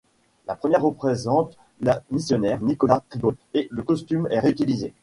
La première représente le missionnaire Nicolas Trigault, et le costume est réutilisé.